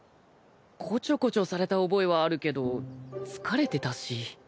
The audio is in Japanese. こちょこちょされた覚えはあるけど疲れてたし。